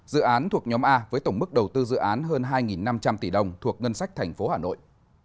dự án thuộc nhóm a với tổng mức đầu tư dự án hơn hai năm trăm linh tỷ đồng thuộc ngân sách thành phố hà nội